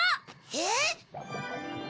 えっ？